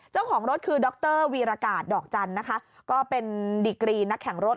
เจ้าของรถคือดรวีรกาศดอกจันทร์นะคะก็เป็นดิกรีนักแข่งรถ